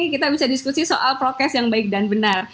kita bisa diskusi soal prokes yang baik dan benar